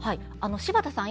柴田さん